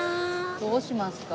どうしますか？